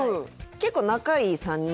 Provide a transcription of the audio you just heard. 結構仲いい３人？